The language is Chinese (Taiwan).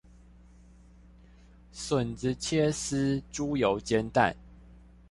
筍子切絲，豬油煎蛋